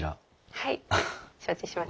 はい承知しました。